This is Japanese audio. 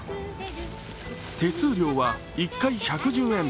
手数料は１回１１０円。